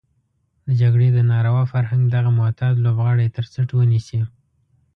د جګړې د ناروا فرهنګ دغه معتاد لوبغاړی تر څټ ونيسي.